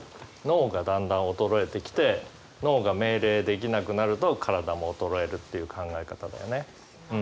脳がだんだん衰えてきて脳が命令できなくなると体も衰えるっていう考え方だよね。